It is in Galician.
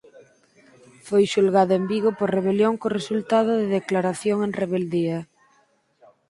Foi xulgado en Vigo por rebelión co resultado de declaración en rebeldía.